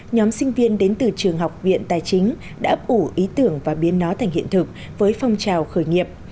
nhóm sinh viên đến từ trường học viện tài chính đã ủ ý tưởng và biến nó thành hiện thực với phong trào khởi nghiệp